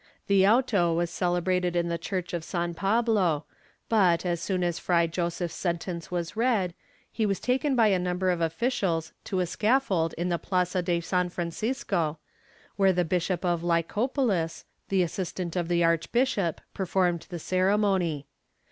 The auto was celebrated in the church of San Pablo but, as soon as Fray Joseph's sentence was read, he was taken by a number of officials to a scaffold in the Plaza de San Francisco, where the Bishop of Lycopolis, the assistant of the archbishop, performed the ceremony.